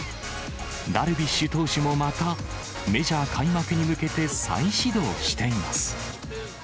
ダルビッシュ投手もまた、メジャー開幕に向けて再始動しています。